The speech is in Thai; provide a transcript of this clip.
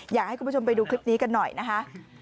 อยากให้คุณผู้ชมไปดูคลิปนี้กันหน่อยนะคะ